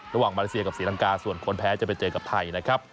มาเลเซียกับศรีลังกาส่วนคนแพ้จะไปเจอกับไทยนะครับ